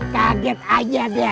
kaget aja dia